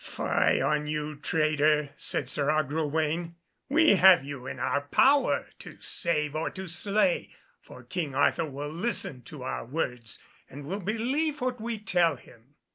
"Fie on you, traitor," said Sir Agrawaine, "we have you in our power, to save or to slay, for King Arthur will listen to our words, and will believe what we tell him."